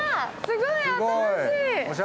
すごい、新しい！